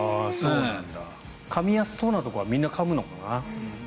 かみやすそうなところはみんなかむのかな。